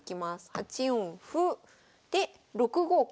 ８四歩で６五桂。